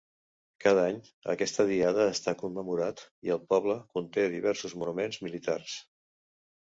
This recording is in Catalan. Cada any, aquesta diada està commemorat i el poble conté diversos monuments militars.